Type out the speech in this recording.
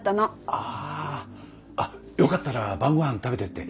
あよかったら晩ごはん食べてって。